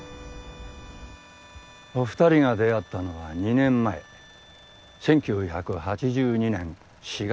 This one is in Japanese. お２人が出会ったのは２年前１９８２年４月１０日。